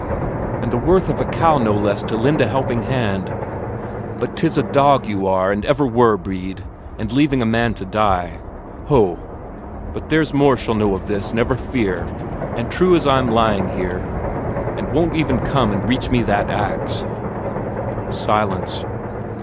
And the worth of a cow, no less, to lend a helping hand. But 'tis a dog you are and ever were, Brede, and leaving a man to die. Ho, but there's more shall know of this, never fear, and true as I'm lying here. And won't even come and reach me that ax...." Silence.